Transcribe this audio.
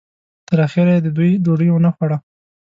تر اخره یې د دوی ډوډۍ ونه خوړه.